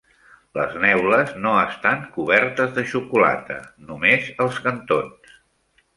Les neules no estan cobertes de xocolata, només els cantons.